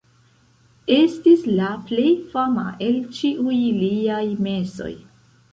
Estis la plej fama el ĉiuj liaj mesoj.